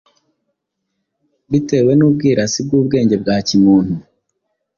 Bitewe n’ubwirasi bw’ubwenge bwa kimuntu,